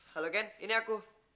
halo ken ini aku